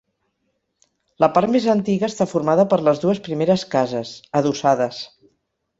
La part més antiga està formada per les dues primeres cases, adossades.